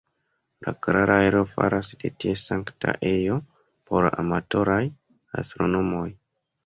La klara aero faras de tie sankta ejo por amatoraj astronomoj.